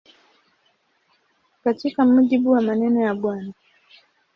Katika mujibu wa maneno ya Bw.